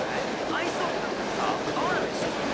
会いそうになったらさ会わないようにしてたもんね。